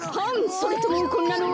それともこんなのは？